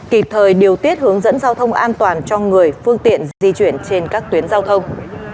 kịp thời điều tiết hướng dẫn giao thông an toàn cho người phương tiện di chuyển trên các tuyến giao thông